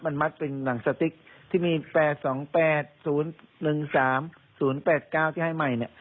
มันมัดเป็นหนังสติ๊กที่มี๘๒๘๐๑๓๐๘๙ที่ให้ใหม่เนี่ย